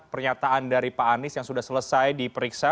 pernyataan dari pak anies yang sudah selesai diperiksa